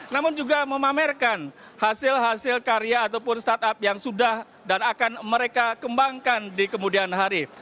namun juga memamerkan hasil hasil karya ataupun startup yang sudah dan akan mereka kembangkan di kemudian hari